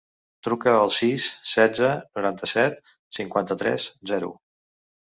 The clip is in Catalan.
Truca al sis, setze, noranta-set, cinquanta-tres, zero.